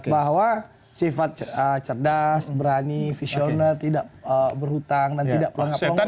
bahwa sifat cerdas berani visioner tidak berhutang dan tidak pelongok pelongok itu